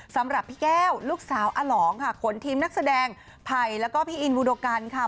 สำหรับพี่แก้วลูกสาวอลองค่ะขนทีมนักแสดงไผ่แล้วก็พี่อินบูโดกันค่ะ